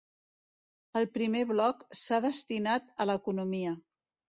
El primer bloc s’ha destinat a l’economia.